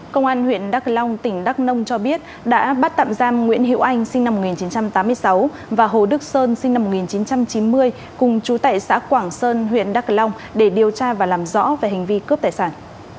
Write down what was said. công an huyện đắk long tỉnh đắk nông cho biết đã bắt tạm giam nguyễn hữu anh sinh năm một nghìn chín trăm tám mươi sáu và hồ đức sơn sinh năm một nghìn chín trăm chín mươi cùng chú tại xã quảng sơn huyện đắk long để điều tra và làm rõ về hành vi cướp tài sản